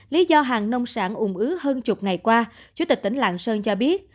lý do hàng nông sản ủng ứ hơn chục ngày qua chủ tịch tỉnh lạng sơn cho biết